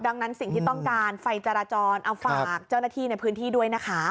ดังนั้นสิ่งที่ต้องการไฟจราจรเอาฝากเจ้าหน้าที่ในพื้นที่ด้วยนะคะ